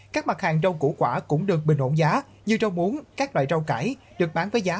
các mặt hàng rau củ quả cũng được bình ổn giá như rau muống các loại rau cải được bán với giá